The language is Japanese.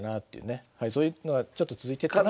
そういうのがちょっと続いてるかなって。